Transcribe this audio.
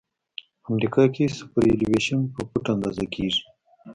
امریکا کې سوپرایلیویشن په فوټ اندازه کیږي